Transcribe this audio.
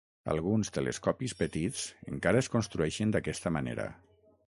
Alguns telescopis petits encara es construeixen d'aquesta manera.